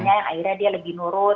akhirnya dia lebih nurut